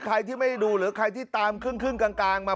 ใครที่ไม่ได้ดูหรือใครที่ตามครึ่งกลางมา